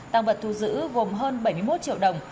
tăng vật thu giữ gồm hơn bảy mươi một triệu đồng